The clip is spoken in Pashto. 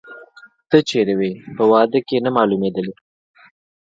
ته چیري وې، په واده کې نه مالومېدلې؟